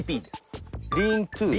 リーントゥ。